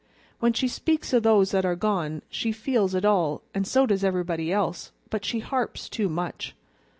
When she speaks o' those that are gone, she feels it all, and so does everybody else, but she harps too much.